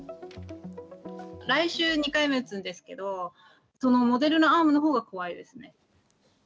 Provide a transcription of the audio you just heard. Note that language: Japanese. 来週２回目、打つんですけど、そのモデルナアームのほうが怖いですね。